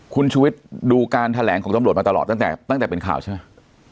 คุณชุวิตดูการแถลงของตำรวจมาตลอดตั้งแต่ตั้งแต่เป็นข่าวใช่ไหม